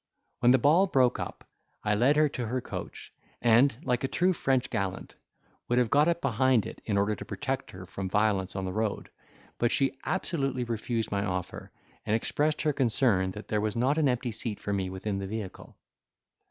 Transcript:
When the ball broke up, I led her to her coach, and, like a true French gallant, would have got up behind it, in order to protect her from violence on the road, but she absolutely refused my offer, and expressed her concern that there was not an empty seat for me within the vehicle.